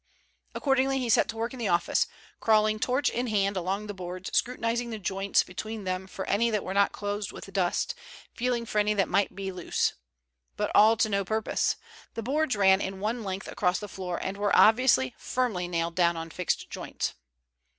Accordingly he set to work in the office, crawling torch in hand along the boards, scrutinizing the joints between them for any that were not closed with dust, feeling for any that might be loose. But all to no purpose. The boards ran in one length across the floor and were obviously firmly nailed down on fixed joists.